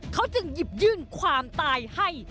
เขาจึงหยิบยื่นความตายให้